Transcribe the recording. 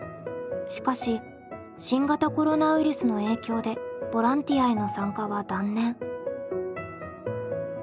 しかし新型コロナウイルスの影響でボランティアへの参加は断念。